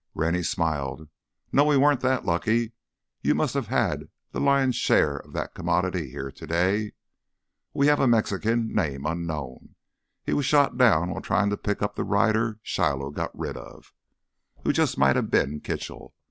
Rennie smiled. "No, we weren't that lucky—you must have had the lion's share of that commodity here today. We have a Mexican, name unknown. He was shot down while trying to pick up the rider Shiloh got rid of—who just might have been Kitchell.